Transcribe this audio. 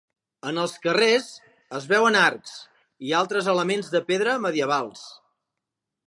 En els carrers es veuen arcs i altres elements de pedra medievals.